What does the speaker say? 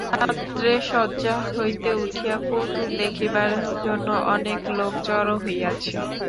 রাত্রে শয্যা হইতে উঠিয়া কৌতুক দেখিবার জন্য অনেক লোক জড়ো হইয়াছে।